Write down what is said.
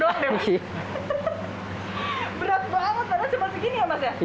berat banget padahal sebelah segini ya mas ya